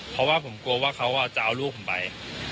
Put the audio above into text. เพราะว่าผมกลัวว่าเขาจะเอาลูกผมไป